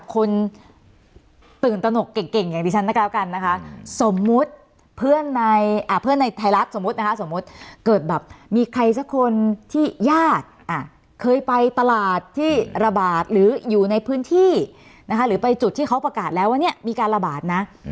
สมมุตินะคะสมมุติเกิดแบบมีใครสักคนที่ญาติเคยไปตลาดที่ระบาดหรืออยู่ในพื้นที่นะคะหรือไปจุดที่เขาประกาศแล้วว่าเนี่ยมีการระบาดนะ